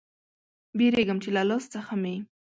بیریږم چې له لاس څخه مې